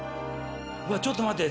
うわちょっと待って。